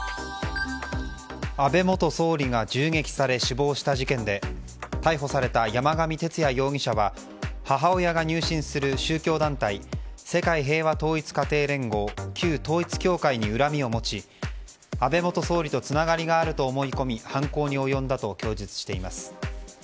安倍元総理が銃撃され死亡した事件で逮捕された山上徹也容疑者は母親が入信する宗教団体、世界平和統一家庭連合旧統一教会に恨みを持ち、安倍元総理とつながりがあると思い込み犯行に及んだと供述しています。